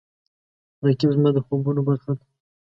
رقیب زما د خوبونو برخه ده